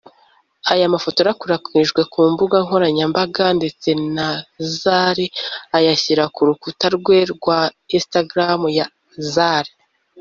Aya mafoto yakwirakwijwe ku mbuga nkoranyambaga ndetse na Zari ayashyira ku rukuta rwe rwa Instagram ya Zari